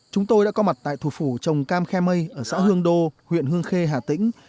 chúng tôi đã có mặt tại thủ phủ trồng cam khe mây ở xã hương đô huyện hương khê hà tĩnh